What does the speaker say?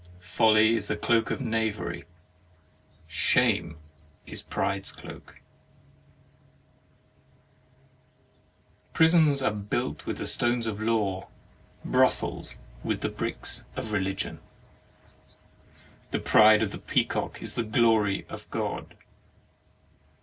Folly is the cloak of knavery. Shame is Pride's cloak. 14 HEAVEN AND HELL Prisons are built with stones of law, brothels with bricks of religion. The pride of the peacock is the glory of God.